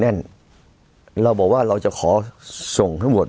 แน่นเราบอกว่าเราจะขอส่งทั้งหมด